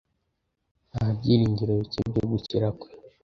Nta byiringiro bike byo gukira kwe.